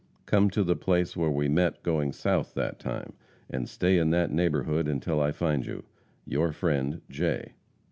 Come to the place where we met going south that time, and stay in that neighborhood until I find you. Your friend, J.